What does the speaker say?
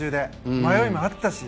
迷いもあったし。